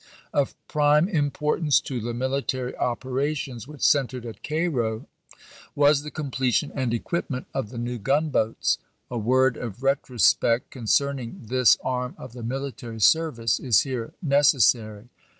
Of prime importance to the military opera tions which centered at Cairo was the completion and equipment of the new gunboats. A word of retrospect concerning this arm of the military ser vice is here necessary.